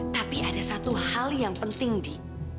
tapi ada satu hal yang penting di